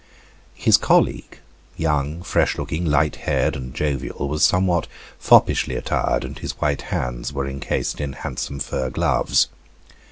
His colleague young, fresh looking, light haired, and jovial was somewhat foppishly attired; and his white hands were encased in handsome fur gloves.